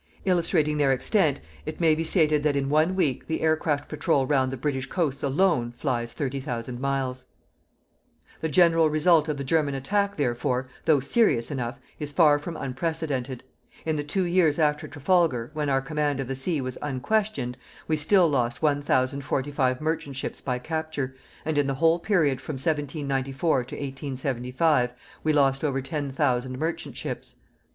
Illustrating their extent it may be stated that in one week the aircraft patrol round the British coasts alone flies 30,000 miles. The general result of the German attack, therefore, though serious enough, is far from unprecedented. In the two years after Trafalgar, when our command of the sea was unquestioned, we still lost 1,045 merchant ships by capture, and in the whole period from 1794 to 1875 we lost over 10,000 merchant ships.